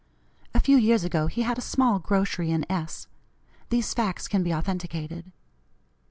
A few years ago he had a small grocery in S . These facts can be authenticated.